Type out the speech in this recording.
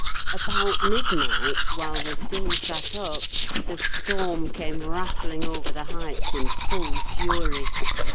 About midnight, while we still sat up, the storm came rattling over the Heights in full fury.